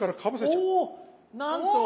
なんと！